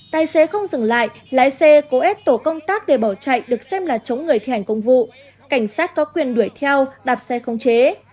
tài xế không dừng lại lái xe cố ép tổ công tác để bỏ chạy được xem là chống người thi hành công vụ cảnh sát có quyền đuổi theo đạp xe không chế